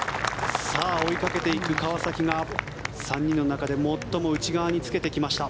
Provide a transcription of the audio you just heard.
追いかけていく川崎が３人の中で最も内側につけてきました。